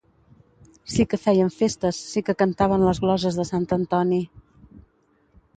Sí que feien festes sí que cantaven les gloses de Sant Antoni